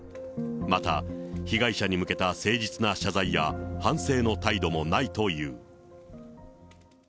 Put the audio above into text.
また、被害者に向けた誠実な謝罪や反省の態度もないという。